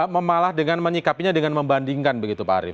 memalah dengan menyikapinya dengan membandingkan begitu pak arief